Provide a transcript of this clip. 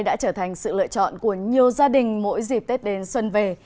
đã trở thành sự lựa chọn của nhiều gia đình mỗi dịp tết đến xuân về